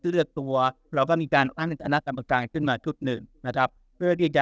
เราก็มีน่ากลับข้ามกันเพื่อได้เอกจะปอดภัย